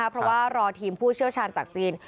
เพราะว่ารอทีมผู้เชี่ยวชาญจากจีน